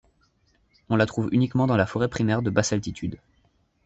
On la trouve uniquement dans la forêt primaire de basse altitude.